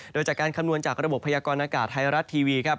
โดยจากการคำนวณจากระบบพยากรณากาศไทยรัฐทีวีครับ